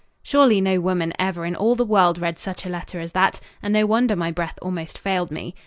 Surely no woman ever in all the world read such a letter as that, and no wonder my breath almost failed me.